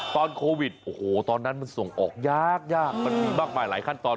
ตอนโควิดโอ้โหตอนนั้นมันส่งออกยากยากมันมีมากมายหลายขั้นตอน